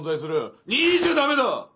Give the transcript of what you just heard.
２位じゃダメだ！